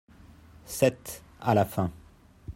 sept, à la fin.